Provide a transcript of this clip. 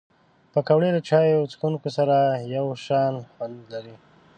پکورې له چای څښونکو سره یو شان خوند لري